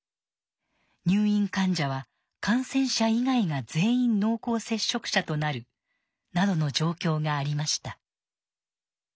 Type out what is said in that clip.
入院患者は感染者以外が全員濃厚接触者となるなどの状況がありました。